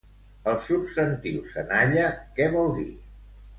El substantiu senalla què vol dir?